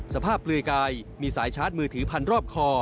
เปลือยกายมีสายชาร์จมือถือพันรอบคอ